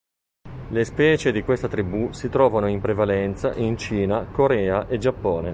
Le specie di questa tribù si trovano in prevalenza in Cina, Corea e Giappone.